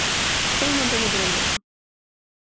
Eu non teño problema.